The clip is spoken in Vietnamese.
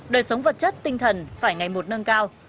đời sống vật chất tinh thần phải ngày một nâng cao